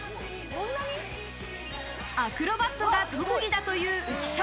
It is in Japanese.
アクロバットが特技だという浮所。